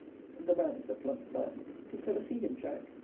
The man is a plump man. Didst ever see him, Jack?